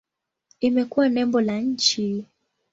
Imekuwa nembo la nchi.